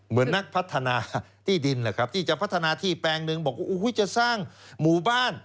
เหมือนนักพัฒนาที่ดินแหละครับที่จะพัฒนาที่แปลงหนึ่งบอกว่าจะสร้างหมู่บ้าน